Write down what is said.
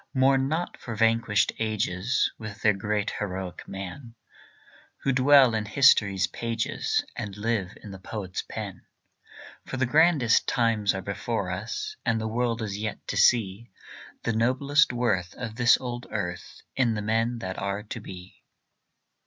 Mourn not for vanished ages, With their great heroic men, Who dwell in history's pages And live in the poet's pen. For the grandest times are before us, And the world is yet to see The noblest worth of this old earth In the men that are to be.